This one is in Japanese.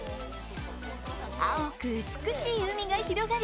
青く美しい海が広がり